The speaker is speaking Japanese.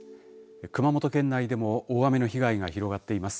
熊本県内でも大雨の被害が広がっています。